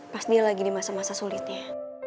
pas dia lagi di masa masa sulitnya